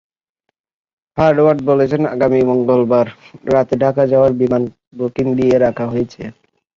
Howard বলেছেন, আগামীকাল মঙ্গলবার রাতে ঢাকা যাওয়ার বিমান বুকিং দিয়ে রাখা হয়েছে।